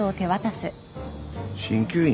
鍼灸院？